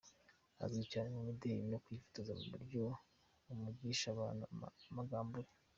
Azwi cyane mu mideli no kwifotoza mu buryo buvugisha abantu amangambure.